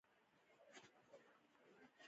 له څلورلارې څخه تر بیني حصار سیمې پورې